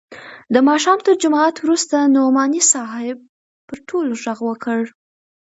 د ماښام تر جماعت وروسته نعماني صاحب پر ټولو ږغ وکړ.